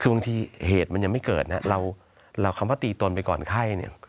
คือบางทีเหตุมันยังไม่เกิดนะเราคำว่าตีตนไปก่อนไข้เนี่ย